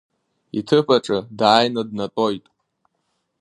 Иҭыԥаҿы дааины днатәоит.